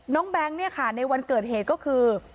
แบงค์เนี่ยค่ะในวันเกิดเหตุก็คือ